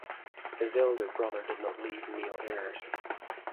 His elder brother did not leave male heirs.